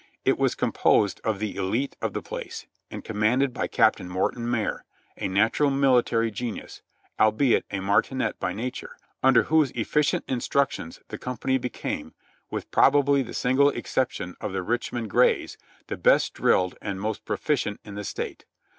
It was composed of the elite of the place, and commanded by Captain Morton Marye, a natural military genius, albeit a martinet by nature, under whose efficient instructions the company be came, with probably the single exception of the Richmond Grays, the best drilled and most proficient in the State.